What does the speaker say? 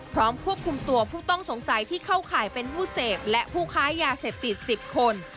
พร้อมควบคุมตัวผู้ต้องสงสัยที่เข้าข่ายเป็นผู้เสพและผู้ค้ายาเสพติด๑๐คน